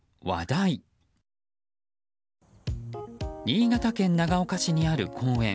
新潟県長岡市にある公園。